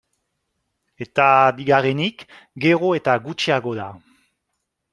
Eta bigarrenik, gero eta gutxiago da.